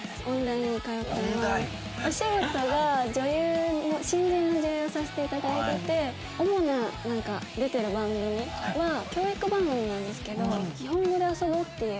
お仕事が女優の新人の女優をさせていただいてて主な出てる番組は教育番組なんですけど『にほんごであそぼ』っていう。